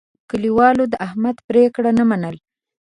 کلیوالو د احمد پرېکړه نه منله.